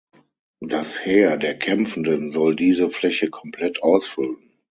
Das Heer der Kämpfenden soll diese Fläche komplett ausfüllen.